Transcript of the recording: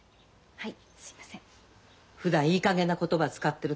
はい。